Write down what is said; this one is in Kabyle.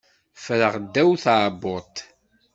Ffreɣ ddaw tdabut.